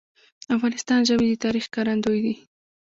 د افغانستان ژبي د تاریخ ښکارندوی دي.